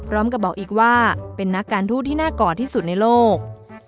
กับบอกอีกว่าเป็นนักการทูตที่น่าก่อที่สุดในโลก